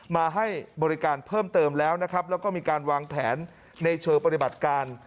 มาให้บริการเพิ่มเติมแล้วนะครับแล้วก็มีการวางแผนในเชิงปฏิบัติการ